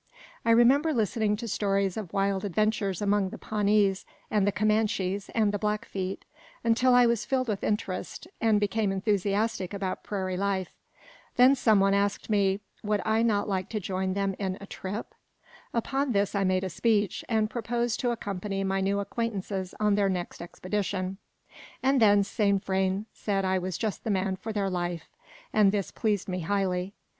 I remember listening to stories of wild adventures among the Pawnees, and the Comanches, and the Blackfeet, until I was filled with interest, and became enthusiastic about prairie life. Then someone asked me, would I not like to join them in "a trip"? Upon this I made a speech, and proposed to accompany my new acquaintances on their next expedition: and then Saint Vrain said I was just the man for their life; and this pleased me highly.